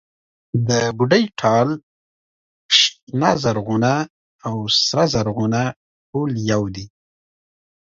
د بوډۍ ټال، شنه و زرغونه او سره و زرغونه ټول يو دي.